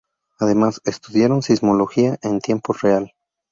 Además, estudiaron sismología en tiempo real.